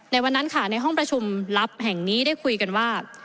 วันนั้นค่ะในห้องประชุมลับแห่งนี้ได้คุยกันว่า